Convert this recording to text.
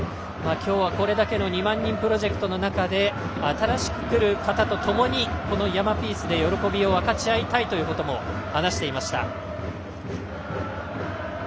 今日はこれだけの２万人プロジェクトの中で新しく来る方とともに山ピースで喜びを分かち合いたいということも話していました。